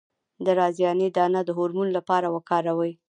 د رازیانې دانه د هورمون لپاره وکاروئ